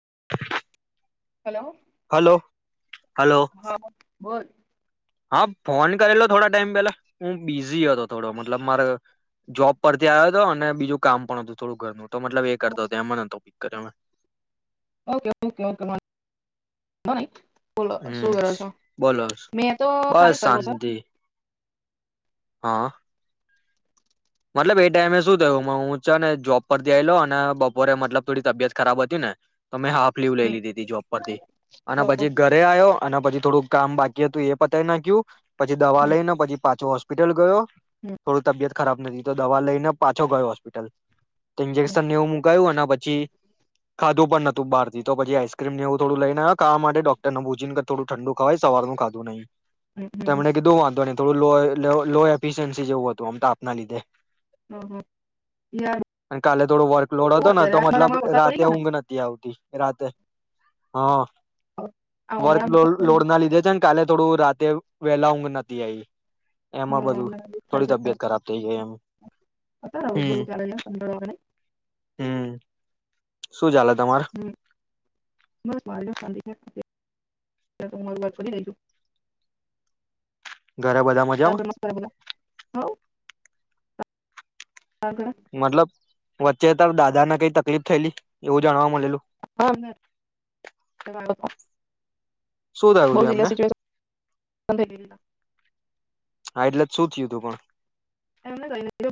[unintelligible] Hello hello hello હા બોલ હા ફોન કરેલો થોડા ટાઈમ પેલા હું બિઝી હતો થોડો મતલબ મારે જોબ પરથી આવ્યો હતો અને બીજું કામ પણ હતું થોડું ઘરનું તો મતલબ એ કરતો હતો એમાંન હતો કર અમણા ઓકે ઓકે ઓકે વા ધ ન હમ બોલો તો બસ ખાલી કર્યો છે શાંતિ. હા. મતલબ એ ટાઈમે શું થયું હું છે ને જોબ પર થી ય લો અને. પોરે મતલબ થોડી તબિયત ખરાબ હતી ને તો મેં હાફ લીવ લઈ હમ લીધી તી જોબ પરથી અને ઓ- પછી ઓકે. ઘરે આવ્યો અને પછી થોડુંક કામ બાકી હતું એ પતાય નાખયુ પછી દવા હમ લઈ ને પછી પાછો હોસ્પિટલ ગયો. હમ થોડું તબિયત ખરાબ. બ. તો દવા લઈને પાછો ગયો હોસ્પિટલ. હમ હમ ઇન્જેક્શન એવું મુકાયું અને. પછી ખાધું પણ નહતું બહારથી તો પછી આઈસ્ક્રીમ ને એવું થોડું લઈને આવ્યો ખાવા માટે ડોક્ટરને ભૂજીને કે થોડું ઠંડુ ખવાય સવારનું ખાધું નહીિ. હમ તેમને કીધું વાંધો નહી. થોડલો લો એફિસયન્સી જેવું હતું તાપના લીધે. હમ હમ હમ. યાર અને કાલે થોડો વર્કલોડ બહુ હતો ને અત્યારે તો આ મતલબ ઉનાળામાં વરસાદ પડી રાતે ગયો ને ઊંઘ નથી આવતી. રાતે હા. આ વર્ક ઉનાળામાં લો વરસાદ પડી લોડ ના લીધે છે ને. કાલે થોડું રાતે વેલા ઊધ નથી આવી. એમાં બધું થઈ થોડી શકતા અત્યારે તબિયત ખરાબ થઇ એમ. હમ હમ [unintelligible] શું ચાલે તમારે હ. [unintelligible] ઘરે બધા મજામાં નમસ્કાર મતલબ. વચ્ચે તો દાદાને કઈ તકલીફ થયેલી એવું જાણવા. મળેલું હ. શું થયું હતું એમને [unintelligible] હા એટલે જ શું થયું તું પણ [unintelligible] હ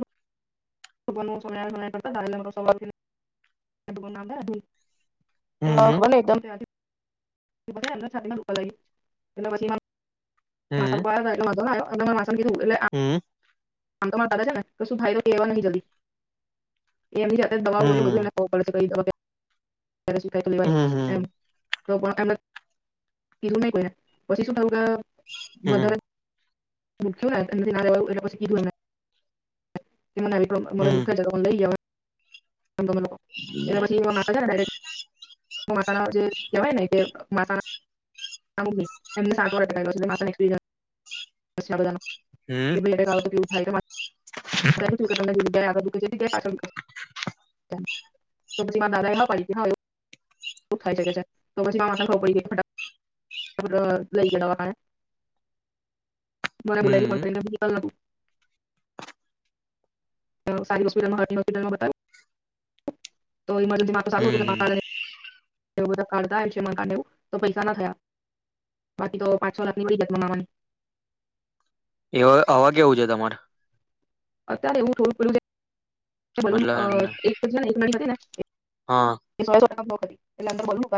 પણ હમ ખબરને એકદમ અચાનક છાતી મા દુખવા લાગિયું હમ એટલે પછી [unintelligible] [unintelligible] [unintelligible] હમ આમ તો તમાર દાદા જાને તો શું [unintelligible] ન જલ્દી એમની જા દવા હોય હમ બધું એ ખબર પડે કઈ ક્યારે શું થાયે હમ લેવાની હમ એમ [unintelligible] હમ વધારે મૂક્યો [unintelligible] હમ હમ [unintelligible] અ એ પછી મસાણા જે કહેવાય ને કે મસા એમને સાત વા [unintelligible] માસાને એક્સપરીએન્સ આ બધાંનો હમ [unintelligible] તો પાછી મારા દાદા એ હા પાડી થાઈ શકે છે તો પછી મારા માસાને ખબર પડી ગઈ [unintelligible] મને બોલાયેલી [unintelligible] સારી હોસ્પિટલા હોસ્પિટલમાં બતાવ્યું તો ઇજ મારું દિમાગ તો સારું હતું હમ કે હમ માસા ને બધા કાર્ડ આવ છે એમાં કારડવું તો પૈસા ના થયા બાકી તો પાંચ છો લાખ ની પત મનાવાની એવા આવા કેવું છે તમારે અત્યારે એવું મતલબ એમને [unintelligible] [unintelligible] હા [unintelligible] [unintelligible]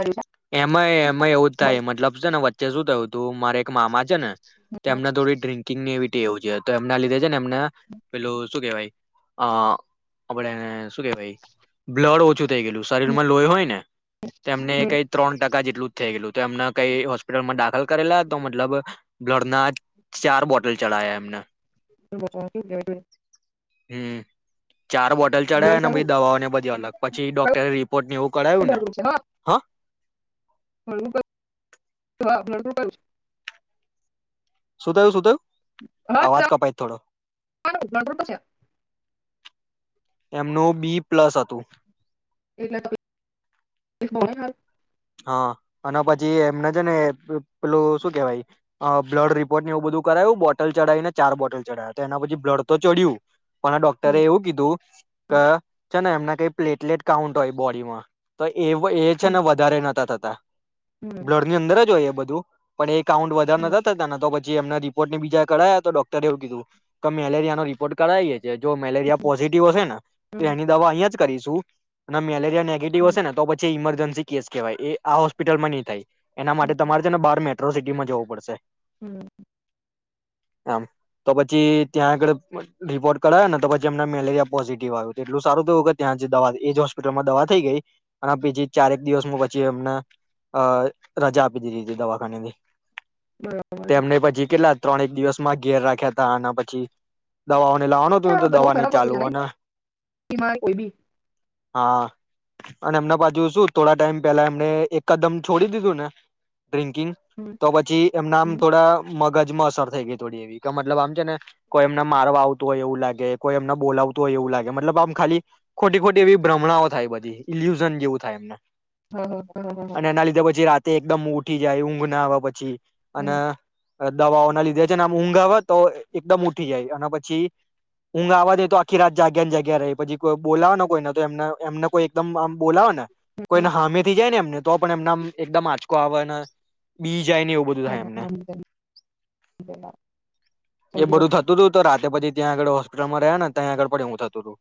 એમાંય એમાં એવુંજ છે થાય, બસ મતલબ છે ને વચ્ચે શું થયું તું મારે એક મામા છે ને તો એમને થોડી ડ્ર્રીકિંગની એવી ટેવ છે તો એમના લીધે ને એમને પેલું શું કેવાય અહ આપડે શું કેહવાય, બ્લડ ઓછું થઈ ગયેલું, શરીર માં લોહી હોય ને તેમને હમ કઈ ટકા જેટલું જ થઈ ગયલું, તો એમને કઈ હોસ્પિટલમાં દાખલ કરેલા તો મતલબ બ્લડ ના ચાર બોટલ ચડયા એમને [unintelligible] હમ્મ. ચાર બોટલ ચડયા બ્લડ ને કયું કયું બધી દવાઓને બધી અલગ પછી ડોક્ટરે રિપોર્ટ ને એવું કઢાવ્યું બ્લડ ને ગ્રુપ છે હા [unintelligible] શું થયું, શું થયું? અવાજ કપાય થોડો [unintelligible] એમનું બી પ્લસ હતું. એટલે [unintelligible] હા અને પછી એમને છે ને પેલું શું કેહેવાય બ્લડ રિપોર્ટની એવું બધું કરાયું, બોટલ ચડાવી ને ચાર બોટલ ચડાયયા તો એના પછી બ્લડ તો ચડ્યું પણ ડોક્ટરે હમ એવું કીધું કે છે ને એમના કઈ પ્લેટલેટ કાઉન્ટ હોય બોડીમાં, તો એ હમ છેને વધ ઘરે નતા થતા હમ બ્લડ ની અંદરજ હોય બધું પણ એક કાઉન્ટ વધાર હમ નતા થયાને તો જે એમના રિપોર્ટ ને બીજા કઢાયા તો ડોક્ટરે એવું કીધું ક મેલેરિયાનો રિપોર્ટ કઢાઈએ જે. જો મેલેરિયા પોઝિટિવ હશે ન તો હમ એની દવા અહીંયા જ કરીશું. ના મેલેરિયાન નેગેટિવ હમ હશે ને તો પછી ઇમર જનઝી કેસ કેવાય એ આ હોસ્પિટલ માં ની થાય. એના હમ માટે તમારે છે ને બાર મે મેટ્રોસિટીમાં જવું પડશે. હમ. આમ. તો પછી ત્યાં આગળ રિપોર્ટ કઢાયો ન તો પછી એમને મેલેરિયા પોઝિટિવ આવ્યો તો એટલું સારું થયું કે ત્યાં દવા એજ હોસ્પિટલમાં દવા થઈ ગઈ અને અબી બી ચારેક દિવસમાં પછી એમને અ રજા આપી દીધી તી દવાખાનેથી. બરાબર છે તેમને પછી કેટલા ત્રણેક દિવસ માં ઘેર રાખ્યા તા અને પછી દવાઓ લાવાનું હતું ન તો ક્યાં બહુ દવાન એ ખરાબ વસ્તુ ચાલુ છે ને અન બીમારી કોઈ બી હા. અને એમના બાજુ શું થોડા ટાઈમ પેલા એમને એકદમ છોડી દીધું ન. ડ્રિંકિંગ હમ તો પછી એમનામ થોડા મગજ માં અસર થઈ ગઈ થોડી એવી ક મતલબ આમ છે ને કોઈ એમને મારવા આવ તોય એવું લાગે, કોઈ એમને બોલાવતું હોય એવું લાગે મતલબ આમ ખાલી ખોટી ખોટી એવી ભ્રમણાઓ થાય બધી, ઇલ્યુઝન જેવું થાય એમને. હઅ. હઅ. હઅ. હઅ. હઅ. તે એકદમ ઊ-ઊઠી જાય ઊંઘ ના આવ પછી અન હમ દવાઓના લીધે છ ન આમ ઊંઘ આવ તો એકદમ ઊઠી જાય અને પછી ઊંઘ આવ નઈ જ તો આખી રાત જાગ્યા ન જાગ્યા રેય પછી કોઈ બોલાવ ન કોઈને તો એમન એમને કોઈ એકદમ આમ બોલાવે ન કોઈન હામેથી જાયન એમન તો પણ એમન આમ એકદમ આંચકો આવ ન બી - જાય ને એવું બધું હા થાય હા એમને. હા બીજા બીજા એ સમજી બધું શકું છું થતું તું તો રાતે પછી ત્યાં આગળ હોસ્પિટલમાં રહ્યા ને તઈ આગળ પડે હું થતું તું.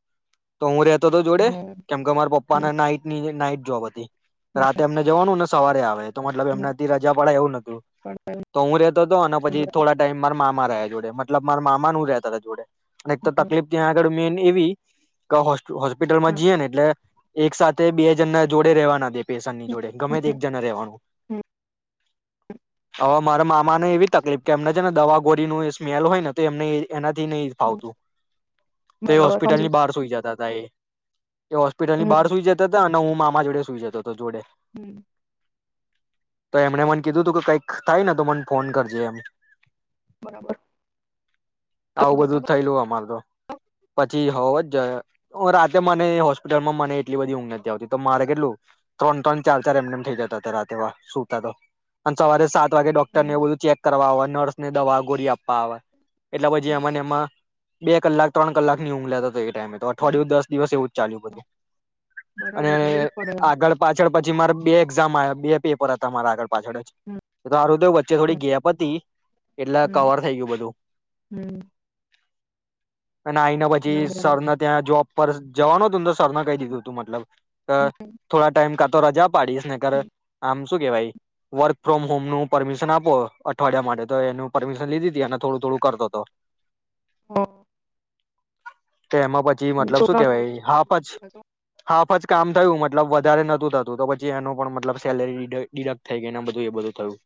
તો હું રે તો તો જોડે હમ કેમ કે મારા પપ્પા ન હમ નાઈટની નાઈ જોબ હતી રાતે એમને જવાનું ન સવારે આવે. તો મતલબ હમ હમ એમનાથી રજા પડાય એવું નતું પણ તો હું રેતો તો અન પછી બરાબર થોડા ટાઈમ મા માર આય જોડે મતલબ માર મામા ન હું રેતા તા જોડે. અન એક તો હમ તકલીફ ત્યાં આગડ મેન એવી ક હો સ-હોસ્પિટલમાં હમ જીએ ન એટલે - એક સાથે બેજણના જોડે રહેવાના દે પેશન ની જોડે ગમે તે એક જણા રહેવાનું. હમ [inaudible] હા, મારા મામાને એવી તકલીફ કે એમને છે ને દવા ગોરીનું સ્મેલ હોય ને તો એમને એના નહી હમ ફાવતું, તો એ બરાબર સમજી હોસ્પિટલની બહાર સૂઈ જતા હતા એ. એ હોસ્પિટલ ની હમ બાર સૂઈ જતા હતા અને હું માં જોડે સુઈ જતો હતો જોડે. હમ્મ. તો એમણે મને કીધું તું કે કઈક થાય ને તો મને ફોન કરજે એમ. બરાબર તો તું આવું જતો બધું હતો થયલું અમાર તો પ જી હોવ જ જ રાતે મને હોસ્પિટલમાં મને એટલી બધી ઊંઘ નથી આવતી. તો મારે કેટલું ત્રણ ત્રણ ચાર ચાર એમને એમ થઇ જતા હતા રતવા સુતા તો અને સવારે સાત વાગે કે ડોકર ને હમ એ બધું ચેક કરવા આવે નર્સ ને દવા ગોરી આપવા આવે. એટલા પછી એમા ને એમાં બે કલાક, ત્રણ કલાક ની ઊઘ લેતા તો તો હમ અઠવાદિયુ દસ દિવસ એવું ચાલ્યું બધું. અને બરાબર છે લેવી જ પડે એમ. આગળ પાછળ પછી મારે બે એક્ઝામ આયા, બે પેપર હતા મારા આગળ પાછળજ, હમ એ તો હારુ થયું વચ્ચે થોડી ગેપ હતી એટલે હમ કવર થઈ ગયું બધું હમ અને આઈને ના પછી બરાબર સરને ત્યાં જોબ પર જવાનું તું તો સરના કઈ દીધું હતું મતલબ કે થોડા ટાઈમ કાતો રાજા આપ પાડીસ ને કર હમ આમ શું કેવાય, વર્ક ફ્રોમ હોમ નું પરમિશન આપો અઠવાડિયા માટે, તો એનું પરમિશન લીધીતી અને થોડું થોડું કરતો હતો હમ્મ. તો એમાં પછી મતલબ શું કેવાય, છોકરાઓને હાફજ હાફજ કામ થયું મતલબ વધારે નતું થતું, તો પછી એનું પણ મતલબ સેલરી ડીડક્ટ થઈ ગઈ, એ બધું એ બધું થયું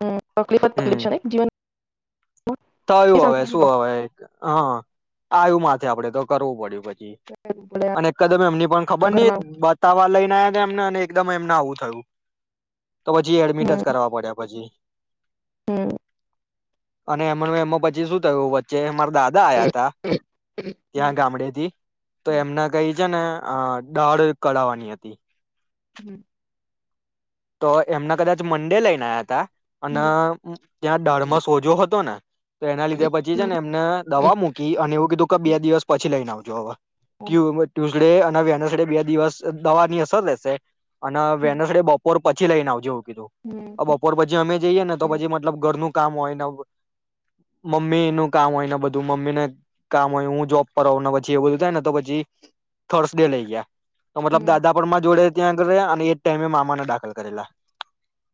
હમ્મ, તકલીફ હમ તકલીફ છેને જીવન થયું હવે, શું હવે, હા આવ્યું મા આપડે તો કરવું પડ્યું પછ કરવું પડે અને કદમ એમની પણ ખબર નહ ઘરના બતાવા લઈને એમને એકદમ એમને આવું થયું તો પછી એડમિટ જ હમ કરવા પડ્યા પછી હમ અને એમ એમાં પછી શું થયું વચ્ચે દાદા હમ આયા ત હમ હમ ત્યાં ગામડે થી તો એમના કઈક જને દાળ કઢાવવાની હતી હમ તો એમના કદાચ મંડે લઈને આવયા હતા અને હમ ત્યાં દાળમાં સોજો હતો ને તો એના લીધે પછી છે ને એમને દવા મૂકી અને એવું કીધું કે બે દિવસ પછી લઈને આવ જોવા ટ્યુ્ય મ ટયૂસ ડે અને વેનસ બે બે દિવસ દવા ની અસર રહેેશે અને હમ વેનસડે બ પછી લઈને આવજો હમ બપોર પછી અમે જઈએ ને તો પછી મતલબ ઘરનું કામ હોયને મમ્મી નું કામ હોયને બધું મમ્મીને કામ હોય હું જોબ કર ને પછી એ બધું થાયને તો પછી થર્સ ડે લઈ ગયા તો મતલબ હમ દાદા પણ માં જોડે ત્યાં આગળ રહયા, અને એ ટાઈમે મામા ડા દાખલ કરેલા.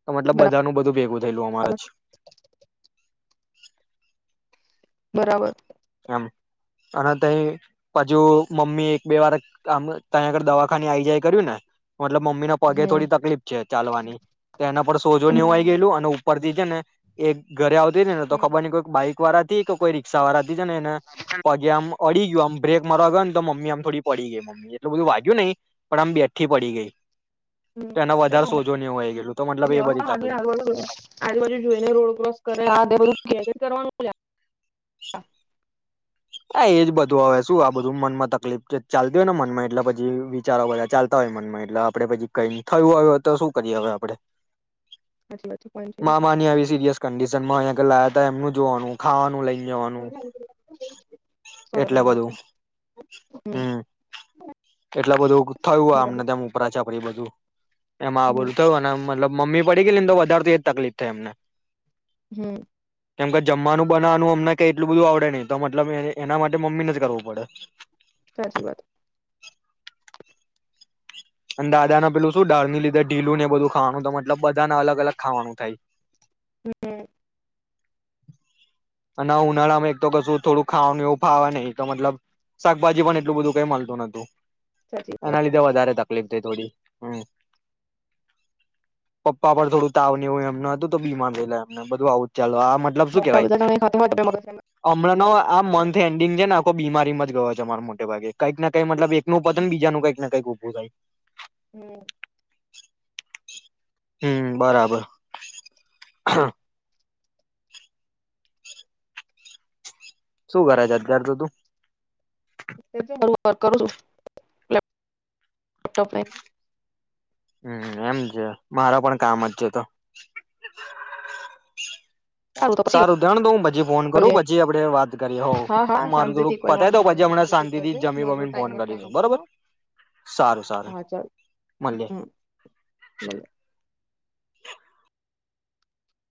તો મતલબ બધાનું બધું ભેગું થયેલું અમારા જ [inaudible] બરાબર. [unintelligible] અને તય પાજુ મમ્મી એક બે વારક આમ ત્યાં આગળ દવાખાની આ જાય કર્યું ને મતલબ મમ્મી ના પગે હમ થોડી તકલીફ છે ચાલવાની, તો એના પર સોજો ને એવું આઈ હમ ગયેલું અને [unintelligible] એગ ઘરે આવતી ને તો હમ ખબર નિ કોઈ બાઈક વારા થી કે કોઈ રિક્ષા વારા થ છે એને પગેઆમ પડી ગયું આમ બ્રેક મારો ગયો તો મમ્મી આમ થોડી પડી ગઈ મમ્મી એટલુંબધું વાગ્યું નહી, પણ આમ બેઠી પડી ગઈ હમ તો એને વધારે સોજો ને એવું આઈ ગયેલું તો મતલબ એ [unintelligible] બધી તકલીફ આજુબાજુ જોઈને રોડ ક્રોસ કરે, આ તે બધું [unintelligible] કરવાનું [inaudible] હા. હા એજ બધું હવે શું આ બધું મનમાં તકલીફ જે ચાલતી હોય ને મનમાં એટલે પછી વિચારો બધા ચાલતા હોય મનમાં એટલે આપડે પછી કઈ થયું હોય તો શું કરીએ હવે આપડે વાત છે મામાની આવી સિરિયસ કંન્ડીશન. જમા અંયે કય લાયા તા એમનું જોવાનું, ખવાનું લઈ જવાનું. સો એટલે ટકાની વાત છે બધું, હમ હમ્મ એટલે બધું થયું અમને બરાબર તેમ ઉપરા [unintelligible] બધું. એમાં આ હમ બધું થયું અને મતલબ મમ્મી પડી ગઈલીને તો વધારે થી એ જ તકલીફ થાય એમને. હમ્મ. કેમ કે જમવાનું બનાવાનું અમને કય એટલુંધું આવડે નય, તો મતલબ એની એના માટે મમ્મીને જ કરવું પડે. સાચી વાત. અને દાદા ના પેલું શું ડાળ ની લીધે ઢીલું ને એ બધું ખાવાનું તો મતલબ બધાને અલગ અલગ ખાવાનું થાય. હમ્મ. અને ઉનાળામાં એક તો કશું થોડું ખાવાનું એવું ફાવવા નય તો મતલબ, શાકભાજી પણ એટલું બધું કઈ મલતું નતું. સાચી વાત એના લીધે વધારે તકલીફ. તે થોડી, હમ્મ પપ્પા પર થોડું તાવ ને એવું અમના હતું તો બીમાર છે એટલે અમને એમ બધું આવું જ ચાલે. મતલબ શું કેવાય. હમણાંનો આ મંથ બધા એન્ડિંગ છે ને આખો બીમાર રેમજ ગયો છે અમારો મોટે ભાગે. કઈક ના કઈ મતલબ એક નું પતેને બીજા કઈક કઈ ઉભું. બુજાય. હમ્મ. હમ્મ બરાબર. શું કર છે અત્યાર તો તું? [unintelligible] કરું છું. લપટોપ ને. હમ્મ એમ છે મારો પણ કામ જ છે તો. તો પછી સારું ધ્યાણ દઉંદુ પછી ફોન કરું કરજે પછી આપડે વાત કરીએ હોઉ હા હા મારું થોડુંક શાંતિથી કોઈ પતાય વાંધો દઉં પછી નહી હમણા શાંતિથી શાંતિ કરજે થી જમી મારો વમીને ફોન ટાઈમ જ ટાઈમ કરીશું છે બરોબર હા સારું સારું હા ચાલ મળીએ. હમ ભલે